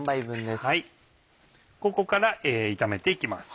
ここから炒めて行きます。